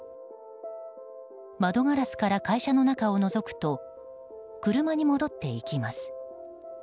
窓ガラスから会社の中をのぞくと車に戻っていきます。